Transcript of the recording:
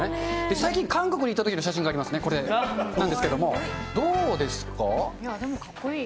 最近、韓国に行ったときの写真がありますね、これなんですけれどいやでも、かっこいい。